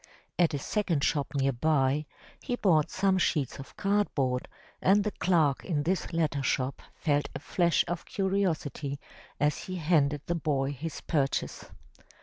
At a second shop near by, he bought some sheets of cardboard, and the clerk in this latter shop felt a flash of curiosity as he handed the boy his purchase.